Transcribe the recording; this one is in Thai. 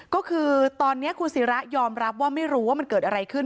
ก็คือตอนนี้คุณศิระยอมรับว่าไม่รู้ว่ามันเกิดอะไรขึ้น